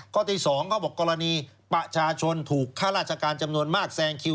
ที่๒เขาบอกกรณีประชาชนถูกข้าราชการจำนวนมากแซงคิว